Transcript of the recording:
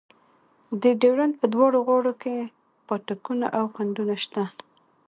د ډیورنډ په دواړو غاړو کې پاټکونه او خنډونه شته.